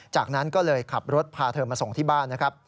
จากนั้นก็เลยขับรถพาเธอมาส่งที่บ้านนะครับ